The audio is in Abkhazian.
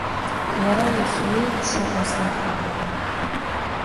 Уара иахьуеиԥшу азыҳәан.